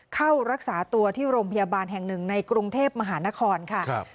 เข้ารักษาตัวที่โรงพยาบาลแห่งหนึ่งในกรุงเทพมหานครค่ะ